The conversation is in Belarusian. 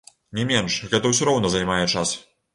Не менш, гэта ўсё роўна займае час!